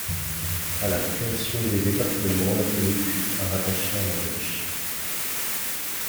À la création des départements, la commune fut rattachée à l'Ardèche.